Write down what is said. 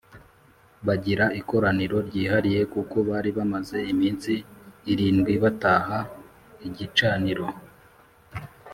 bagira ikoraniro ryihariye kuko bari bamaze iminsi irindwi bataha igicaniro